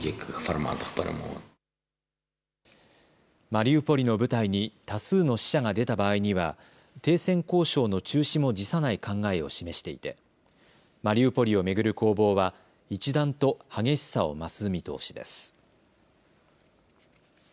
マリウポリの部隊に多数の死者が出た場合には停戦交渉の中止も辞さない考えを示していてマリウポリを巡る攻防は一段と激しさを増す見通しです。